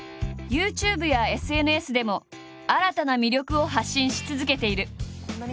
ＹｏｕＴｕｂｅやＳＮＳでも新たな魅力を発信し続けている。